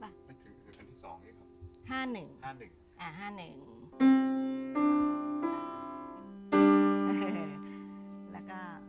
ห้าหนึ่งห้าหนึ่งอ่ะห้าหนึ่งสามสี่แล้วก็หนึ่งหนึ่งห้า